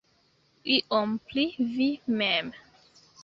Iom pri vi mem.